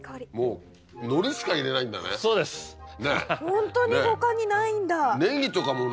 ホントに他にないんだ。